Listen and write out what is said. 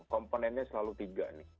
komponennya selalu tiga nih